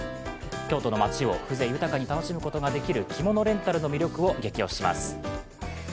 京都の街を不在豊かに楽しむことができる着物レンタルの魅力をゲキ推しします。